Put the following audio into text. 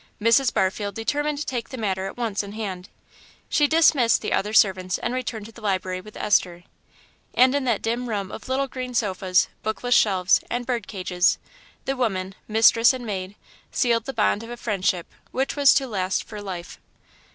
Mrs. Barfield determined to take the matter at once in hand; she dismissed the other servants and returned to the library with Esther, and in that dim room of little green sofas, bookless shelves, and bird cages, the women mistress and maid sealed the bond of a friendship which was to last for life.